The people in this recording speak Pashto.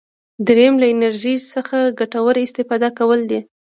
دریم له انرژي څخه ګټوره استفاده کول دي.